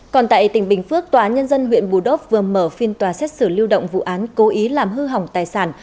còn tại tỉnh bình phước tòa nhân dân huyện bù đốc vừa mở phiên tòa xét xử lưu động vụ án cố ý làm hư hỏng tài sản